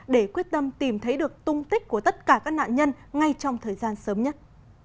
để quyết tâm tìm thấy được tung tích của tất cả các nạn nhân ngay trong thời gian sớm nhất